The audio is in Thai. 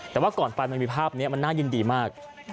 แต่ว่าก่อนไปมันมีภาพนี้มันน่ายินดีมาก